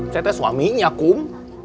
saya suaminya kum